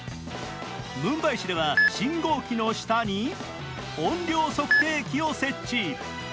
ムンバイ市では信号機の下に音量測定器を設置。